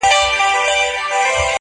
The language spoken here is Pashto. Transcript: شپه د پرخي په قدم تر غېږي راغلې؛